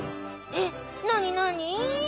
えっなになに？